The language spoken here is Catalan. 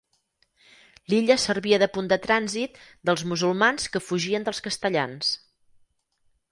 L'illa servia de punt de trànsit dels musulmans que fugien dels castellans.